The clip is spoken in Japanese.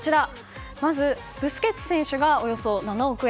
まずブスケツ選手がおよそ７億円。